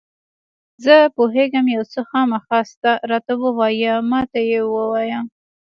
زه پوهېږم یو څه خامخا شته، راته ووایه، ما ته یې ووایه.